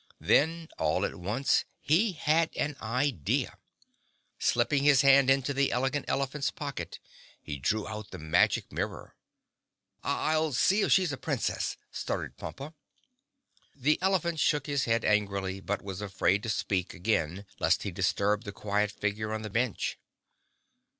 Then all at once he had an idea. Slipping his hand into the Elegant Elephant's pocket, he drew out the magic mirror. "I'll see if she's a princess," stuttered Pompa. The elephant shook his head angrily but was afraid to speak again lest he disturb the quiet figure on the bench.